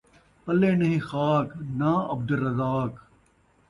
پلے نہیں خاک، ناں عبدالرزاق